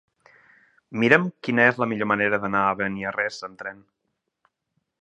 Mira'm quina és la millor manera d'anar a Beniarrés amb tren.